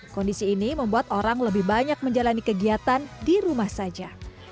kondisi ini membuat orang lebih banyak menjalani kegiatan di rumah saja